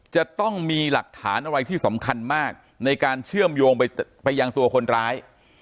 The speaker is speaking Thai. จะต้องมีหลักฐานอะไรที่สำคัญมากในการเชื่อมโยงไปยังตัวคนร้าย